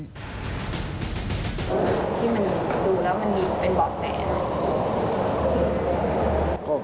ที่มันดูแล้วมันมีเป็นบอกแส